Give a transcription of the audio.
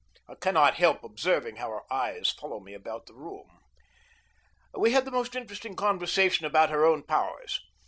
I cannot help observing how her eyes follow me about the room. We had the most interesting conversation about her own powers.